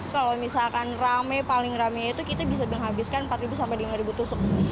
kalau misalkan rame paling rame itu kita bisa menghabiskan empat sampai lima tusuk